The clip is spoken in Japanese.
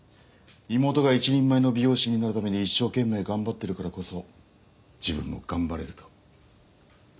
妹が一人前の美容師になるために一生懸命頑張ってるからこそ自分も頑張れると。